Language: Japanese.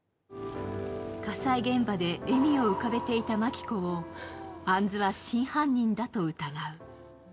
火災現場で笑みを浮かべていた真希子を杏子は真犯人だと疑う。